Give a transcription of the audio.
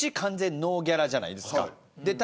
こっち完全ノーギャラじゃないですか。